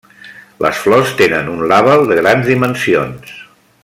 Les flors tenen un label de grans dimensions.